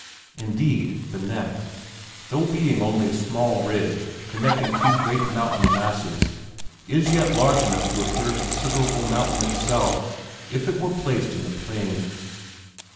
Indeed, the "neck," though being only a small ridge connecting two great mountain masses, is yet large enough to appear a considerable mountain itself if it were placed in the plain.